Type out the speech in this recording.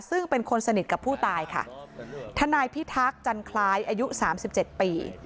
ซึ่งเป็นคนสนิทกับผู้ตายค่ะทนายพิทักษ์จันคล้ายอายุสามสิบเจ็ดปี